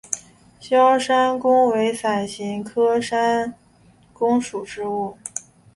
鞘山芎为伞形科山芎属的植物。